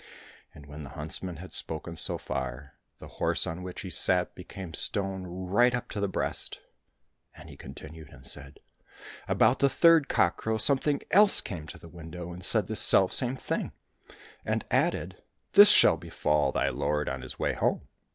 " And when the huntsman had spoken so far, the horse on which he sat became stone right up to the breast. And he continued, and said, " About the third cock crow something else came to the window and said the selfsame thing, and added, ' This shall befall thy lord on his way home.